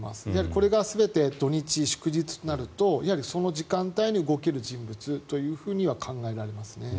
これが全て土日、祝日となるとその時間帯に動ける人物とは考えられますね。